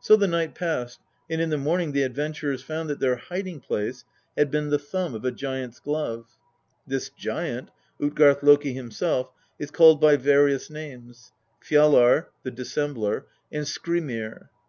So the night passed, and in the morning the adventurers found that their hiding place had been the thumb of a giant's glove. This giant, Utgarth loki himself, is called by various names Fjalar (the Dissembler) and Skrymir.